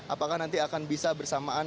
apakah nanti akan bisa bersamaan